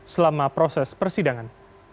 selama proses persidangan